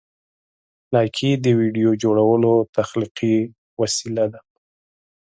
لایکي د ویډیو جوړولو تخلیقي وسیله ده.